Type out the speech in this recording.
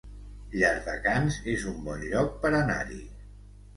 Llardecans es un bon lloc per anar-hi